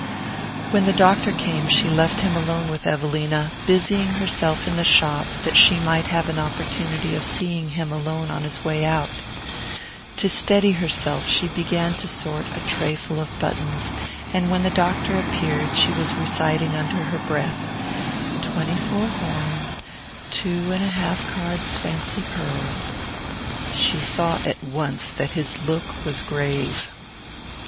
When the doctor came she left him alone with Evelina, busying herself in the shop that she might have an opportunity of seeing him alone on his way out. To steady herself she began to sort a trayful of buttons, and when the doctor appeared she was reciting under her breath: "Twenty four horn, two and a half cards fancy pearl..." She saw at once that his look was grave.